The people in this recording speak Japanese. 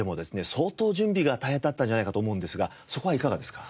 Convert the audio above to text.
相当準備が大変だったんじゃないかと思うんですがそこはいかがですか？